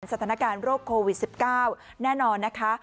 สถานการณ์โรคโควิด๑๙แน่นอนนะคะ